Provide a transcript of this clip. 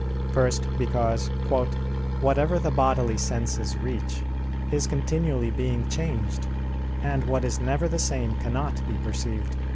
First, because "whatever the bodily senses reach, is continually being changed; and what is never the same cannot be perceived."